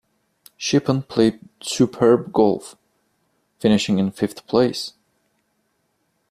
Shippen played superb golf, finishing in fifth place.